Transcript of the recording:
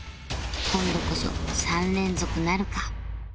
今度こそ３連続なるか？